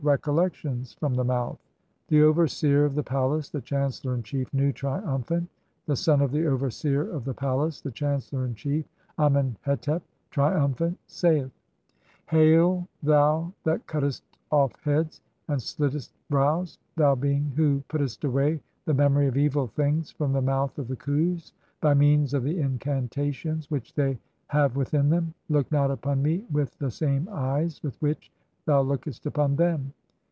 RECOLLECTIONS FROM THE MOUTH. The overseer of the palace, the chancellor in chief, Nu, triumphant, the son of the overseer of the palace, the chancellor in chief, Amen hetep, triumphant, saith :— (2) "Hail, thou that cuttest off heads, and slittest brows, thou "being who puttest away the memory of evil things from the "mouth of the Khus by means of the incantations which they "have within them, look not upon me with the [same] eyes (3) "with which thou lookest upon them.